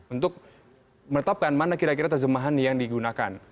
untuk menetapkan mana kira kira terjemahan yang digunakan